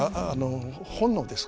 本能です